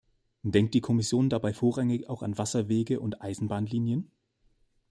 Denkt die Kommission dabei vorrangig auch an Wasserwege und Eisenbahnlinien?